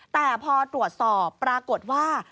แต่พอตรวจสอบปรากฏว่า